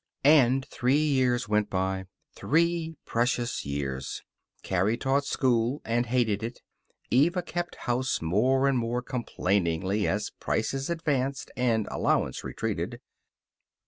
And three years went by. Three precious years. Carrie still taught school, and hated it. Eva kept house more and more complainingly as prices advanced and allowance retreated.